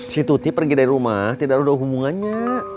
si tuti pergi dari rumah tidak ada hubungannya